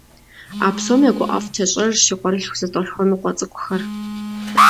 А псом я гуӏэфӏтещӏэжщ и къуэрылъху зэтӏолъхуэныкъуэ цӏыкӏухэр.